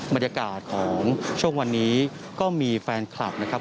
บรรยากาศของช่วงวันนี้ก็มีแฟนคลับนะครับ